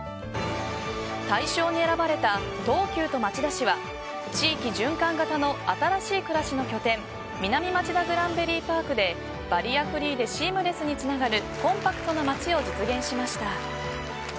大賞に選ばれた東急と町田市は地域循環型の新しい暮らしの拠点南町田グランベリーパークでバリアフリーでシームレスにつながるコンパクトな街を実現しました。